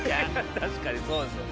確かにそうですよね。